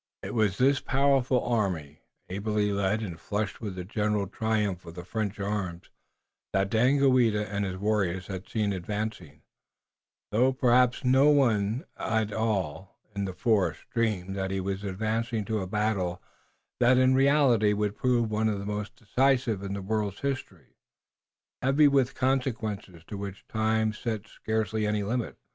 It was this powerful army, ably led and flushed with the general triumph of the French arms, that Daganoweda and his warriors had seen advancing, though perhaps no one in all the force dreamed that he was advancing to a battle that in reality would prove one of the most decisive in the world's history, heavy with consequences to which time set scarcely any limit.